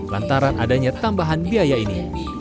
lantaran adanya tambahan biaya ini